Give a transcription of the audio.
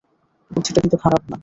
বুদ্ধিটা কিন্তু খারাপ না।